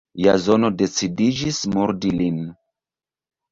Jazono decidiĝis murdi lin.